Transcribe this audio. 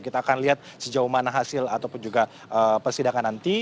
kita akan lihat sejauh mana hasil ataupun juga persidangan nanti